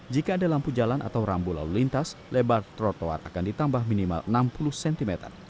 jika ada lampu jalan atau rambu lalu lintas lebar trotoar akan ditambah minimal enam puluh cm